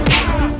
ya saya mau